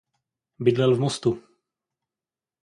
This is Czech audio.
Bydlel v Mostu.